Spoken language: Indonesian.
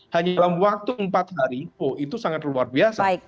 hanya dalam waktu empat hari oh itu sangat luar biasa